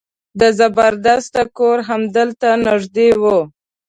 د زبردست کور همدلته نژدې و.